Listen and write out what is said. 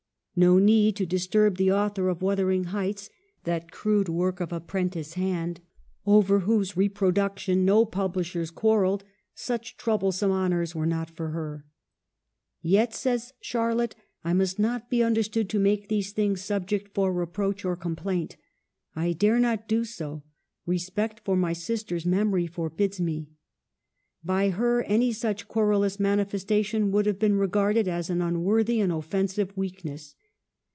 No need to disturb the author of ' Wuthering Heights,' that crude work of a 'pren tice hand, over whose reproduction no publish ers quarrelled ; such troublesome honors were not for her. " Yet," says Charlotte, " I must not be under stood to make these things subject for reproach or complaint; I dare not do so ; respect for my sister's memory forbids me. By her any such querulous manifestation would have been re garded as an unworthy and offensive weakness."